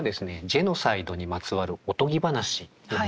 ジェノサイドにまつわるおとぎ話というものです。